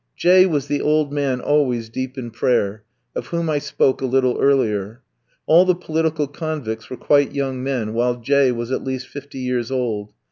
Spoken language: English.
J ski was the old man always deep in prayer, of whom I spoke a little earlier. All the political convicts were quite young men while J ski was at least fifty years old.